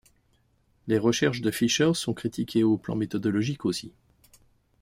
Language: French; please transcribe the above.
Les recherches de Fischer sont critiquées au plan méthodologique aussi.